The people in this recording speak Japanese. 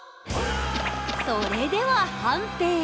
それでは判定！